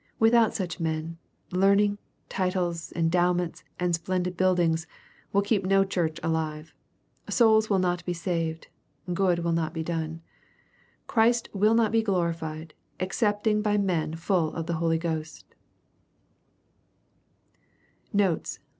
Without such men, learning, titles, endowments, and splendid buildings, will keep no Church alive. Souls will not be saved, — good will not be done, — Christ will not be glorified, excepting by men full of the Holy Ghost, Notes.